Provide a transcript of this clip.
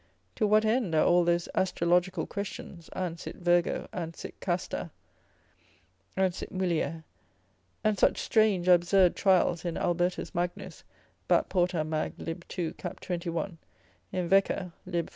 To what end are all those astrological questions, an sit virgo, an sit casta, an sit mulier? and such strange absurd trials in Albertus Magnus, Bap. Porta, Mag. lib. 2. cap. 21. in Wecker. lib. 5.